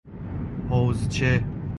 حوضچه